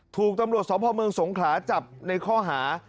ถูกตำรวจสพเมืองสงขลาจับในข้อหา